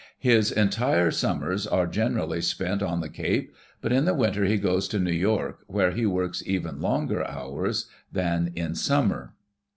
His entire summers are generally spent on the Cape, but in the winter he goes to New York, where he works even longer hours than in summer.